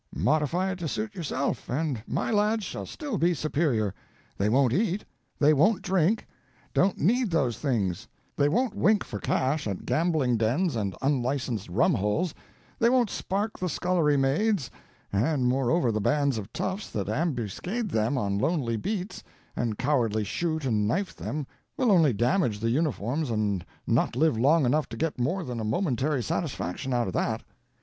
Modify it to suit yourself, and my lads shall still be superior. They won't eat, they won't drink—don't need those things; they won't wink for cash at gambling dens and unlicensed rum holes, they won't spark the scullery maids; and moreover the bands of toughs that ambuscade them on lonely beats, and cowardly shoot and knife them will only damage the uniforms and not live long enough to get more than a momentary satisfaction out of that."